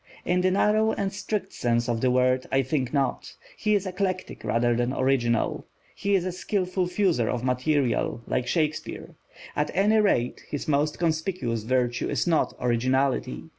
In the narrow and strict sense of the word, I think not. He is eclectic rather than original. He is a skilful fuser of material, like Shakespeare. At any rate, his most conspicuous virtue is not originality.